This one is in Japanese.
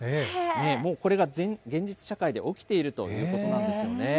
もうこれが現実社会で起きているということなんですよね。